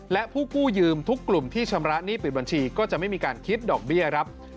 และผู้กู้ยืมทุกกลุ่มที่ชำระหนี้ปิดบัญชีก็จะไม่มีการคิดดอกเบี้ยครับ